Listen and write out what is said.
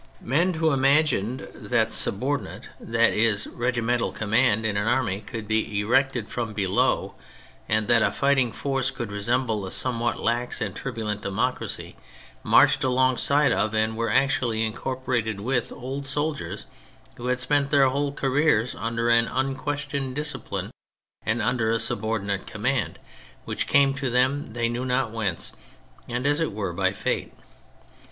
Men who imagined that subordinate, that is. 166 THE FRENCH REVOLUTION regimental, command in an army could be erected from below, and that a fighting force could resemble a somewhat lax and turbulent democracy, marched alongside of and were actually incorporated with old soldiers who had spent their whole careers under an un questioned discipline, and under a subordinate command which came to them they knew not whence, and as it were by fate.